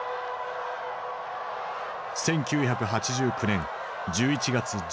１９８９年１１月１７日